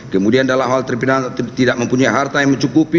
kemudian dalam hal terpinang tidak mempunyai harta yang mencukupi